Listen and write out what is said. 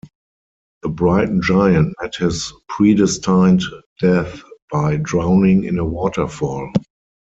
The Briton giant met his predestined death by drowning in a waterfall.